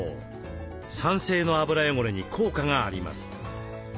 酸性の油汚れに効果があります。